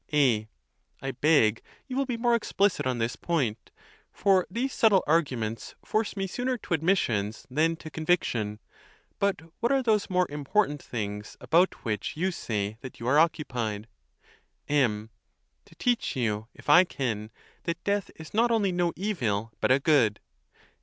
A. I beg you will be more explicit on this point, for these subtle arguments force me sooner to admissions than to conviction. But what are those more important things about which you say that you are occupied ? M. To teach you, if I can, that death is not only no evil, but a good.